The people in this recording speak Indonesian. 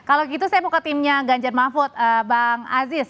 kalau gitu saya mau ke timnya ganjar mahfud bang aziz